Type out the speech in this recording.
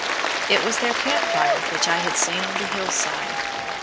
It was their camp fire which I had seen on the hill side.